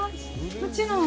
もちろん。